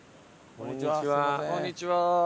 こんにちは。